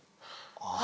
ああ。